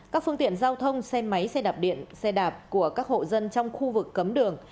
các phương tiện giao thông xe máy xe đạp điện xe đạp của các hộ dân trong khu vực cấm đường